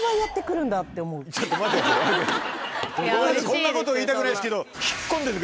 こんなこと言いたくないですけど。